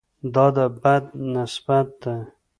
دا د بد نسبت ده.